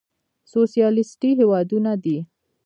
سوسيالېسټي هېوادونه دي.